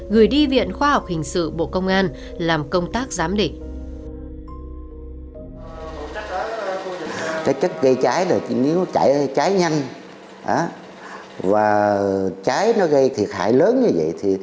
gửi đi viện khoa học hình sự bộ công an làm công tác giám định